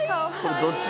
どっち？